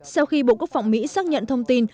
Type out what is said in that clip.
sau khi bộ quốc phòng mỹ xác nhận thông tin